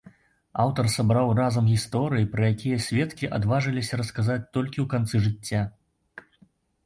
Аўтар сабраў разам гісторыі, пра якія сведкі адважыліся расказаць толькі ў канцы жыцця.